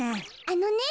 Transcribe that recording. あのね